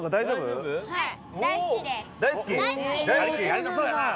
やりたそうだな。